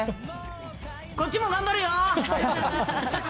こっちも頑張るよ。